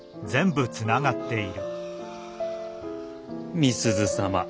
美鈴様